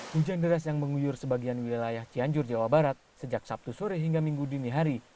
hujan deras yang menguyur sebagian wilayah cianjur jawa barat sejak sabtu sore hingga minggu dini hari